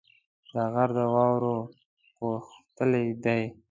دا غر د واورو پوښلی دی.